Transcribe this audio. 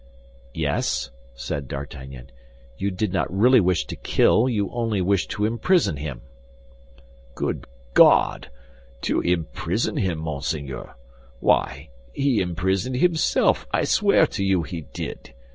"Yes," said D'Artagnan, "you did not really wish to kill; you only wished to imprison him." "Good God! To imprison him, monseigneur? Why, he imprisoned himself, I swear to you he did.